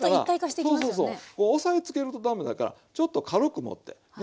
こう押さえつけると駄目だからちょっと軽く持ってね。